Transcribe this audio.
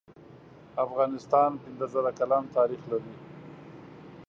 افغانستان پنځه زره کلن تاریخ لری